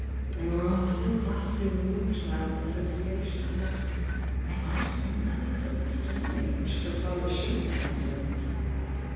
They were all so vastly re moved now in association that they might have been relics of the Stone Age so fax as she was con cerned.